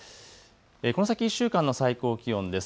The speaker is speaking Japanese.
この先１週間の最高気温です。